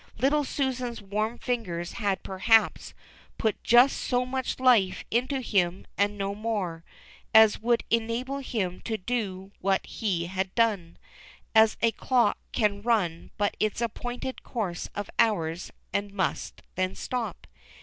Little Susan's warm fingers had perhaps put just so much life into him and no more, as would enable him to do what he had done, — as a clock can run but its appointed course of hours and must then stop.